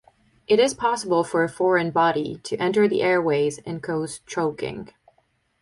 It is possible for a foreign body to enter the airways and cause choking.